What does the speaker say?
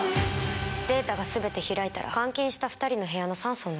データが全て開いたら監禁した２人の部屋の酸素を抜きます。